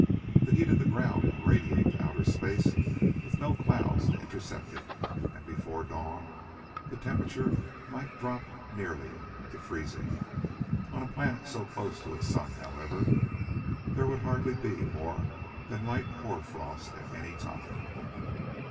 The heat of the ground would radiate to outer space with no clouds to intercept it, and before dawn the temperature might drop nearly to freezing. On a planet so close to its sun, however, there would hardly be more than light hoar frost at any time.